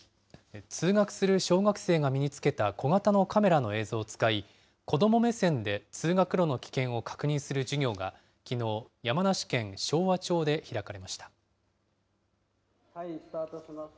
通学する小学生が身につけた小型のカメラの映像を使い、子ども目線で通学路の危険を確認する授業がきのう、山梨県昭和町で開かれました。